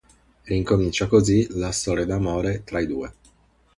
Ricomincia così la storia d'amore tra i due.